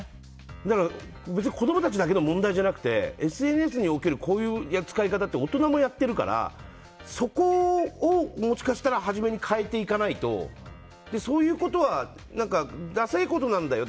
別に子供たちだけの問題じゃなくてＳＮＳにおけるこういう扱い方って大人もやってるからそこをもしかしたら初めに変えていかないとそういうことはダサいことなんだよ